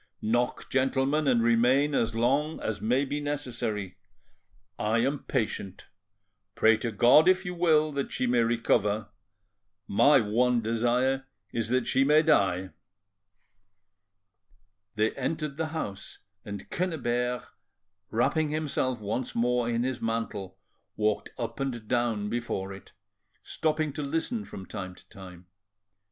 Knock, gentlemen, and remain as long as may be necessary. I am patient. Pray to God, if you will, that she may recover; my one desire is that she may die." They entered the house, and Quennebert, wrapping himself once more in his mantle, walked up and down before it, stopping to listen from time to time.